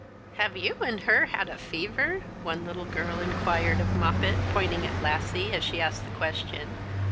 " Have you and her had a fever ?" one little girl inquired of Moppet, pointing at Lassie as she asked the question.